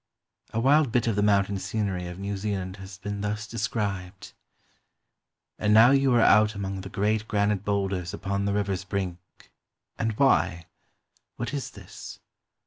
A wild bit of the mountain scenery of New Zealand has been thus described: — "And now you are out among the great granite boulders upon the river's brink, — and why! what is this?